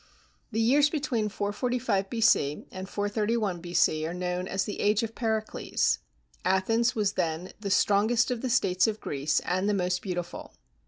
The years between 445 B.C. and 431 B.C. are known as the Age of Pericles. Athens was then the strongest of the states of Greece and the most beautiful.